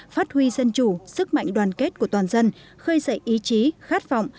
phát huy dân chủ sức mạnh đoàn kết của toàn dân khơi dậy ý chí khát vọng